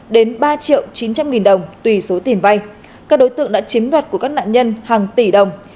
đến ba triệu chín trăm linh nghìn đồng tùy số tiền vay các đối tượng đã chiếm đoạt của các nạn nhân hàng tỷ đồng